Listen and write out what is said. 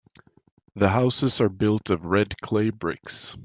The houses are built of red clay bricks.